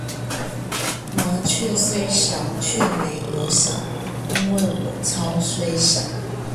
麻雀雖小卻沒我小，因為我超雖小